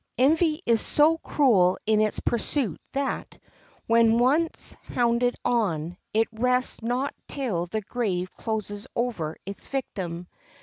Envy is so cruel in its pursuit that, when once hounded on, it rests not till the grave closes over its victim.